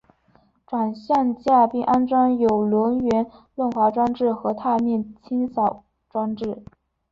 转向架并安装有轮缘润滑装置和踏面清扫装置。